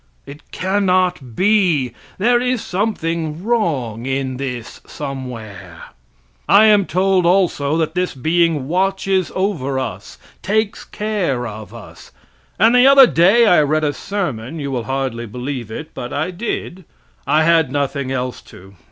It cannot be; there is something wrong in this thing somewhere. I am told, also, that this being watches over us, takes care of us. And the other day I read a sermon (you will hardly believe it, but I did); I had nothing else to.